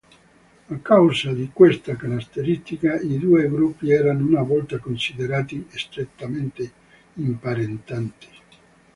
A causa di questa caratteristica i due gruppi erano una volta considerati strettamente imparentati.